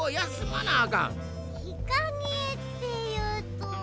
ひかげっていうと。